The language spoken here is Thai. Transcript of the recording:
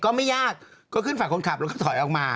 ก็ไม่ยากก็ขึ้นฝั่งคนขับแล้วก็ถอยออกมา